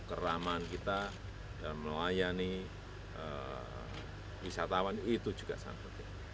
keraman kita dalam melayani wisatawan itu juga salah satu